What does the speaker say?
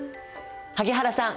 萩原さん